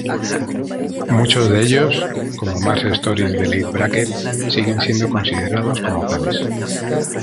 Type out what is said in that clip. Muchos de ellos, como "Mars stories" de Leigh Brackett, siguen siendo considerados como tales.